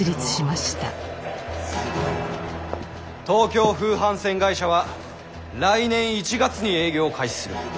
東京風帆船会社は来年１月に営業を開始する。